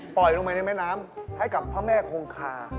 ปล่อยลงไปในไม้น้ำให้กับพระแม่โครงคา